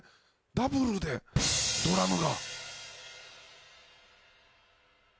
ダブルでドラムが。